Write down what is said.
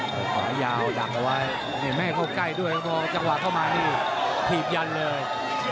ขออย่าเอาดับเอาไว้เห็นไหมเขาก็ใกล้ด้วยพอจังหวะเข้ามานี่ผีบยันเลย